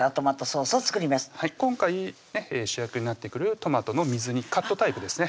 今回主役になってくるトマトの水煮カットタイプですね